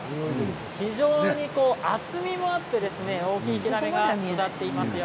非常に厚みがあって大きいヒラメが育っていますよ。